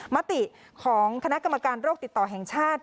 มติของคณะกรรมการโรคติดต่อแห่งชาติ